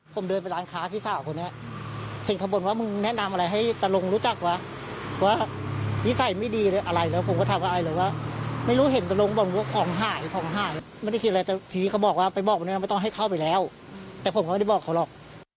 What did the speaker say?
ผมเดินไปร้านค้าพี่สาวคนนี้เห็นเขาบ่นว่ามึงแนะนำอะไรให้ตะลงรู้จักวะว่านิสัยไม่ดีเลยอะไรแล้วผมก็ถามกับไอเลยว่าไม่รู้เห็นตะลงบอกว่าของหายของหายไม่ได้คิดอะไรแต่ทีนี้เขาบอกว่าไปบอกวันนั้นไม่ต้องให้เข้าไปแล้วแต่ผมก็ไม่ได้บอกเขาหรอก